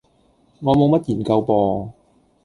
我冇乜研究噃